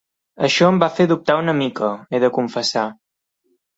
Això em va fer dubtar una mica, he de confessar.